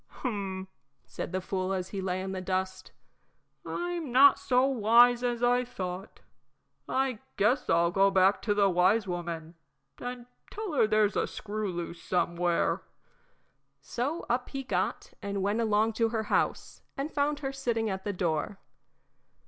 "Hum," said the fool, as he lay in the dust, "I'm not so wise as I thought. I guess I'll go back to the wise woman and tell her there's a screw loose somewhere." So up he got and went along to her house, and found her sitting at the door.